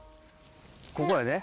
ここやで。